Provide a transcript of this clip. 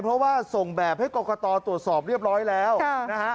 เพราะว่าส่งแบบให้กรกตตรวจสอบเรียบร้อยแล้วนะฮะ